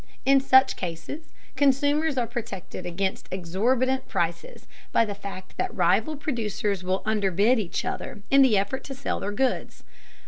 In such cases consumers are protected against exorbitant prices by the fact that rival producers will underbid each other in the effort to sell their goods.